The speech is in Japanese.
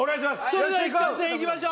それでは１回戦いきましょう